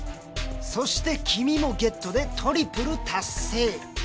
そして君もゲットでトリプル達成！